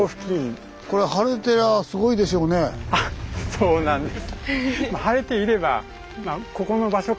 そうなんです。